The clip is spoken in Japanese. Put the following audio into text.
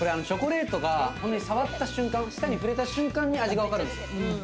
チョコレートが触った瞬間、舌に触れた瞬間に、味がわかるんですよ。